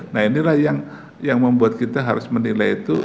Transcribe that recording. nah inilah yang membuat kita harus menilai itu